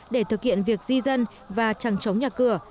để thực hiện việc di dân và chẳng chống nhà cửa